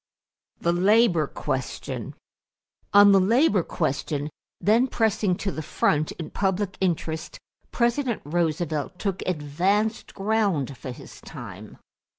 =The Labor Question.= On the labor question, then pressing to the front in public interest, President Roosevelt took advanced ground for his time.